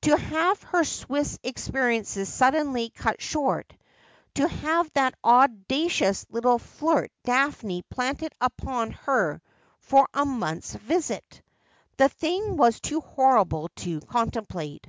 To have her Swiss experiences suddenly cut short, to have that audacious little flirt Daphne planted upon her for a month's visit ! The thing was too horrible to contemplate.